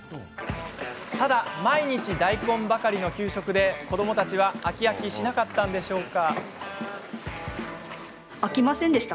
ただ、毎日大根ばかりの給食で子どもたちは飽き飽きしなかったのでしょうか。